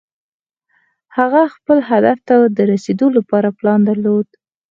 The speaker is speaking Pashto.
هغه خپل هدف ته د رسېدو لپاره پلان درلود.